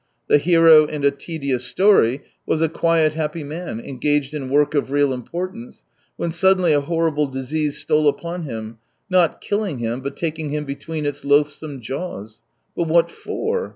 The hero in A Tedious Story was a quiet, happy man engaged in work of real importance, when suddenly a horrible disease stole upon him, not killing him, but taking him between its loathsome jaws. But what for